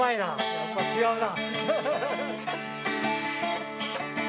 やっぱり違うね。